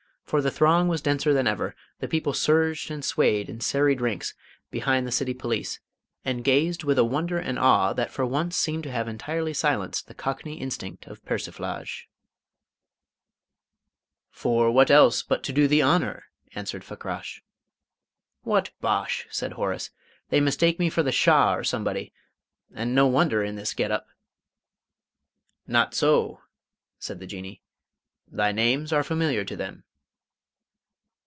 For the throng was denser than ever; the people surged and swayed in serried ranks behind the City police, and gazed with a wonder and awe that for once seemed to have entirely silenced the Cockney instinct of persiflage. "For what else but to do thee honour?" answered Fakrash. "What bosh!" said Horace. "They mistake me for the Shah or somebody and no wonder, in this get up." "Not so," said the Jinnee. "Thy names are familiar to them."